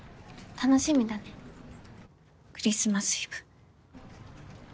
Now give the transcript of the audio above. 楽しみだねクリスマスイブ。